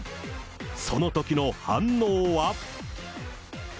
そのときの反応は。